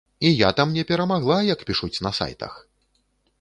І я там не перамагла, як пішуць на сайтах!